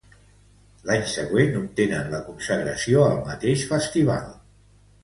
L'any següent, obtenen la Consagració al mateix festival.